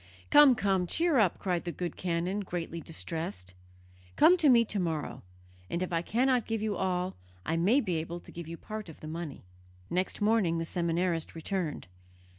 "Come, come; cheer up!" cried the good canon, greatly distressed; "come to me to morrow, and if I cannot give you all, I may be able to give you part of the money." Next morning the seminarist returned.